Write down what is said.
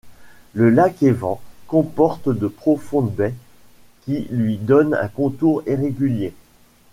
Le lac Evans comporte de profondes baies qui lui donnent un contour irrégulier.